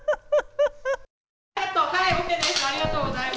ありがとうございます。